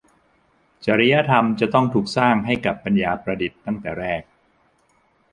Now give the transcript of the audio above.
จริยธรรมจะต้องถูกสร้างให้กับปัญญาประดิษฐ์ตั้งแต่แรก